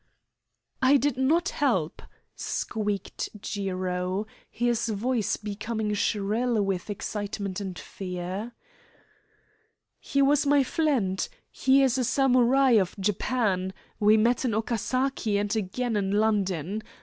"I did not help," squeaked Jiro, his voice becoming shrill with excitement and fear. "He was my fliend. He is a Samurai of Japan. We met in Okasaki, and again in London.